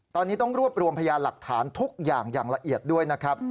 ตอนนี้ต้องรวบรวมพยานหลักฐานทุกอย่างอย่างละเอียดด้วยนะครับ